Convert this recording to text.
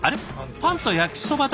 パンと焼きそばだけ？